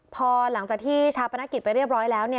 พอหลังจากที่ชาปนกิจไปเรียบร้อยแล้ว